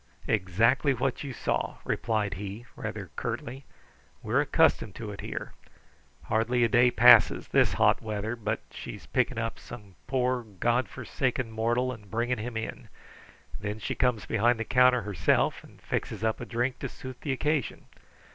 "Exactly what you saw," replied he, rather curtly. "We're accustomed to it here. Hardly a day passes, this hot weather, but she's picking up some poor, god forsaken mortal and bringing him in. Then she comes behind the counter herself and fixes up a drink to suit the occasion.